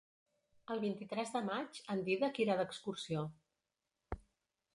El vint-i-tres de maig en Dídac irà d'excursió.